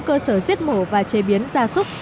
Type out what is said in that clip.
cơ sở giết mổ và chế biến gia sức